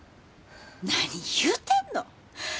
何言うてんの！